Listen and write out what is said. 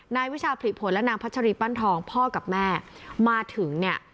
วิชาผลิผลและนางพัชรีปั้นทองพ่อกับแม่มาถึงเนี่ย